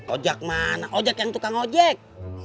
ojak mana ojak yang tukang ojek